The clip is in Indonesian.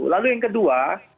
ini satu lalu yang kedua